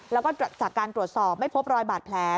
แล้วก็จากการตรวจสอบไม่พบรอยบาดแผล